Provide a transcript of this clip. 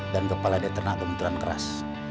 dan kepala deterna kebetulan keras